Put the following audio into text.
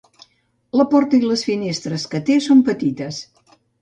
La porta i les finestres que té són petites.